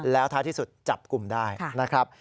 แล้วท้ายที่สุดจับกลุ่มได้นะครับ